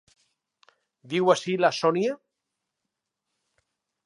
Viu ací la Sònia.